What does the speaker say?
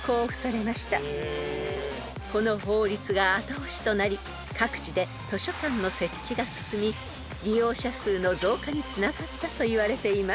［この法律が後押しとなり各地で図書館の設置が進み利用者数の増加につながったといわれています］